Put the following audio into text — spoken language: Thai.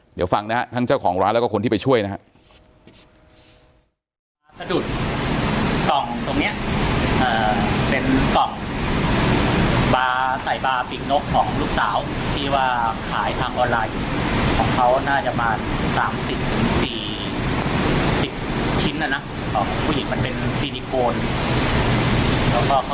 เดี๋ยวฟังนะฮะทั้งเจ้าของร้านแล้วก็คนที่ไปช่วยนะครับ